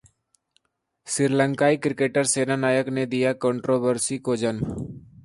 श्रीलंकाई क्रिकेटर सेनानायके ने दिया 'कन्ट्रोवर्सी' को जन्म